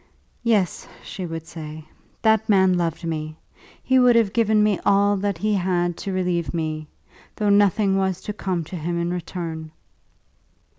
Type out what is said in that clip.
"Yes," she would say; "that man loved me. He would have given me all he had to relieve me, though nothing was to come to him in return."